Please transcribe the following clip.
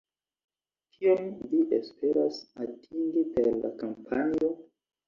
Kion vi esperas atingi per la kampanjo?